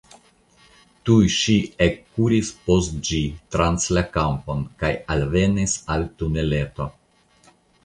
Tuj ŝi ekkuris post ĝi trans la kampon, kaj alvenis al tuneleto.